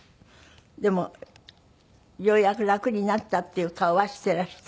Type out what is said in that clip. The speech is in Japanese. でもようやく楽になったっていう顔はしていらした？